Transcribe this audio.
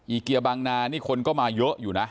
เกียร์บางนานี่คนก็มาเยอะอยู่นะ